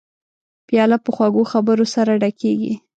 پیاله په خوږو خبرو سره ډکېږي.